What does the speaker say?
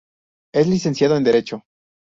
Es Licenciado en Derecho.